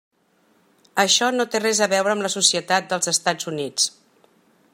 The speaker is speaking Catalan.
Això no té res a veure amb la societat dels Estats Units.